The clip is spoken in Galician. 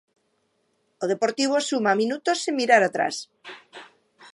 O Deportivo suma minutos sen mirar atrás.